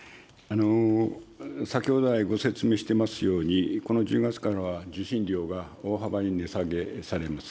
先ほど来、ご説明してますように、この１０月からは受信料が大幅に値下げされます。